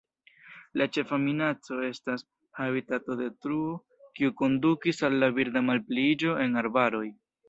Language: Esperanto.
La ĉefa minaco estas habitatodetruo kiu kondukis al la birda malpliiĝo en arbaroj.